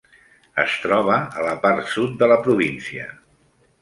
Es troba a la part sud de la província.